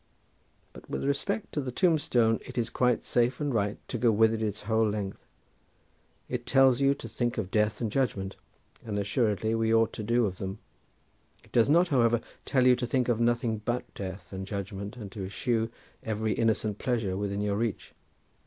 But with respect to the tombstone, it is quite safe and right to go with it its whole length. It tells you to think of death and judgment—and assuredly we ought to think of them. It does not, however, tell you to think of nothing but death and judgment and to eschew every innocent pleasure within your reach.